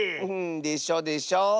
うんでしょでしょ？